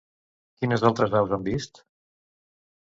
Quines altres aus han vist?